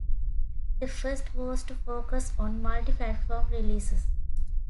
The first was to focus on multi-platform releases.